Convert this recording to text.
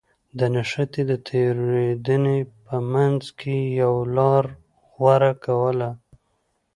د نښتې او تېرېدنې په منځ کې يوه لاره غوره کوله.